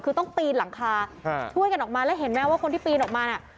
คือต้องปีนหลังคาช่วยกันออกมาแล้วเห็นไหมว่าคนที่ปีนออกมาน่ะ